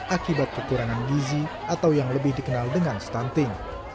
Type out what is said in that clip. akibat kekurangan gizi atau yang lebih dikenal dengan stunting